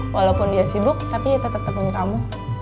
walaupun dia sibuk tapi tetep temen kamu